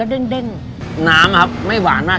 ดินสังความ